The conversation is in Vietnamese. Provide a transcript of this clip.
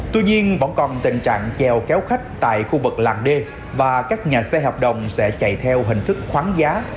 tuy nhiên vẫn còn tình trạng chèo kéo khách tại khu vực làng d và các nhà xe hợp đồng sẽ chạy theo hình thức khoáng giá